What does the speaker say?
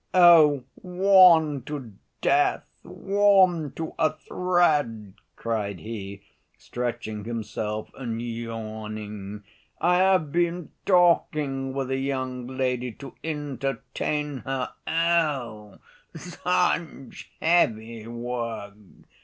"Oh, worn to death! worn to a thread!" cried he, stretching himself and yawning; "I have been talking with a young lady to entertain her! oh, such heavy work!